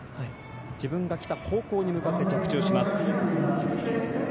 自分が来た方向に向かって着地します。